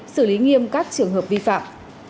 xử lý nghiêm các trường hợp vi phạm